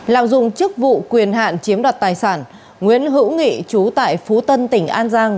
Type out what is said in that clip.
lạm dụng chức vụ quyền hạn chiếm đoạt tài sản nguyễn hữu nghị chú tại phú tân tỉnh an giang